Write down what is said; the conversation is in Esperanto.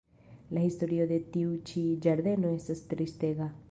La historio de tiu ĉi ĝardeno estas tristega.